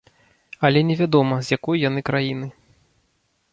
Але невядома, з якой яны краіны.